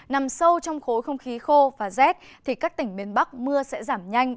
nằm sâu trong khối không khí khô và rét thì các tỉnh miền bắc mưa sẽ giảm nhanh